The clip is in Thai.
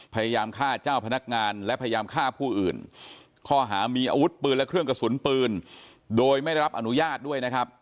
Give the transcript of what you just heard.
ภาพผู้อื่นข้อหามีอาวุธปืนและเครื่องกระสุนปืนโดยไม่ได้รับอนุญาตด้วยนะครับ